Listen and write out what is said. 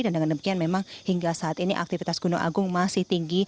dan dengan demikian memang hingga saat ini aktivitas gunung agung masih tinggi